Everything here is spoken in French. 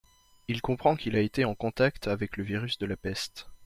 Il comprend qu'il a été en contact avec le virus de la peste.